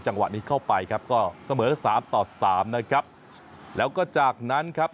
จังหวะนี้เข้าไปครับก็เสมอสามต่อสามนะครับแล้วก็จากนั้นครับ